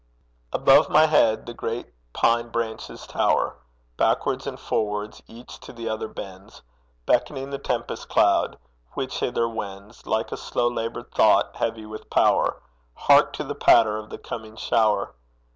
Above my head the great pine branches tower Backwards and forwards each to the other bends, Beckoning the tempest cloud which hither wends Like a slow laboured thought, heavy with power; Hark to the patter of the coming shower!